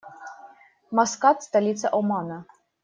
Маскат - столица Омана.